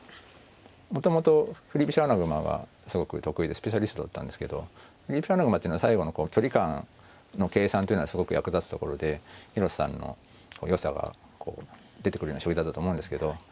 もともと振り飛車穴熊がすごく得意でスペシャリストだったんですけど振り飛車穴熊っていうのは最後の距離感の計算っていうのはすごく役立つところで広瀬さんのよさが出てくるような将棋だったと思うんですけど。